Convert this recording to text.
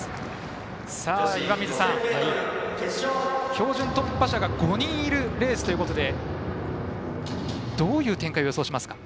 標準突破者が５人いるということでどういう展開を予想しますか。